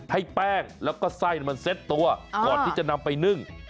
ให้แป้งแล้วก็ไส้มันเซ็ตตัวก่อนที่จะนำไปนึ่ง